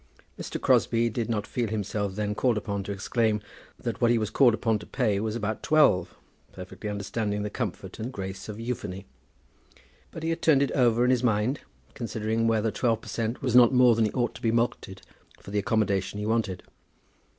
Mr. Crosbie did not feel himself then called upon to exclaim that what he was called upon to pay was about twelve, perfectly understanding the comfort and grace of euphony; but he had turned it over in his mind, considering whether twelve per cent. was not more than he ought to be mulcted for the accommodation he wanted.